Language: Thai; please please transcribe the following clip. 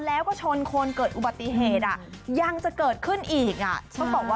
แล้วก็ชนคนเกิดอุบัติเหตุยังจะเกิดขึ้นอีก